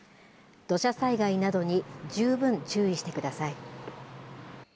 土砂災害などに十分注意してください。